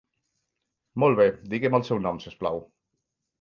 Molt bé, digui'm el seu nom si us plau.